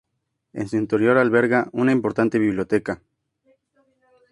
En su interior alberga una importante biblioteca.